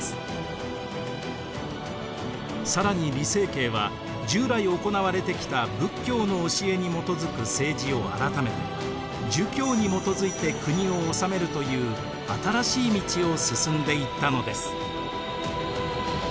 更に李成桂は従来行われてきた仏教の教えに基づく政治を改めて儒教に基づいて国を治めるという新しい道を進んでいったのです。